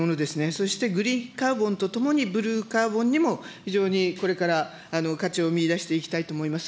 そして、グリーンカーボンとともに、ブルーカーボンにも非常にこれから価値を見いだしていきたいと思います。